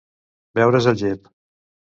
Veure's el gep.